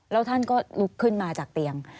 แล้วท่านก็ลุกขึ้นมาจากเตียง